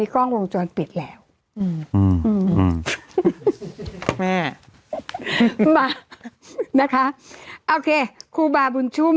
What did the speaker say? อืมอืมอืมอืมอืม